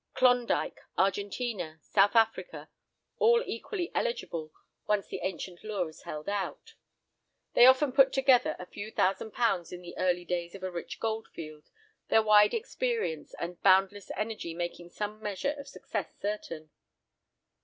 Klondyke, Argentina, South Africa, all equally eligible once the ancient lure is held out. They often put together a few thousand pounds in the early days of a rich goldfield, their wide experience and boundless energy making some measure of success certain.